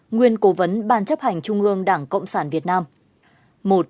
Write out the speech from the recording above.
nguyên cố vấn ban chấp hành trung ương đảng cộng sản việt nam